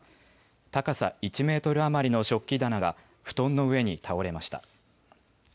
高さ１メートル余りの食器棚が布団の上に倒れました。